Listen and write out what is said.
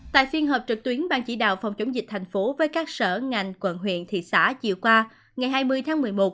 tại phiên họp trực tuyến ban chỉ đạo phòng chống dịch thành phố với các sở ngành quận huyện thị xã chiều qua ngày hai mươi tháng một mươi một